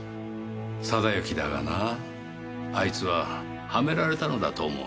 定行だがなあいつははめられたのだと思う。